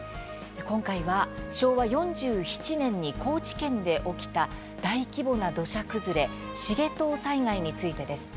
今回は昭和４７年に高知県で起きた大規模な土砂崩れ繁藤災害についてです。